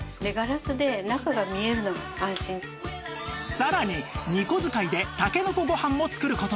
さらに２個使いでたけのこご飯も作る事に